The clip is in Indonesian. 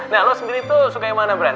nah lo sendiri tuh suka yang mana brun